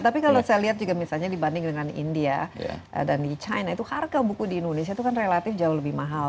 tapi kalau saya lihat juga misalnya dibanding dengan india dan di china itu harga buku di indonesia itu kan relatif jauh lebih mahal